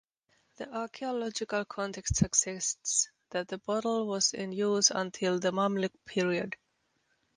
The archaeological context suggests that the bottle was in use until the Mamluk period.